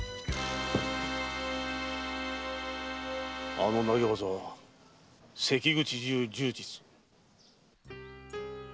あの投げ技は関口流柔術。